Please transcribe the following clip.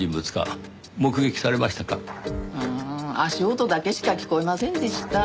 うん足音だけしか聞こえませんでした。